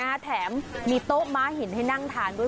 แถมมีโต๊ะม้าหินให้นั่งทานด้วย